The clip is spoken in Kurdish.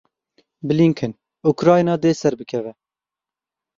Blinken Ukrayna dê serbikeve.